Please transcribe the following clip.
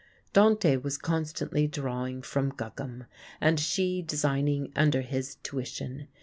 Dante was constantly drawing from Guggum, and she designing under his tuition.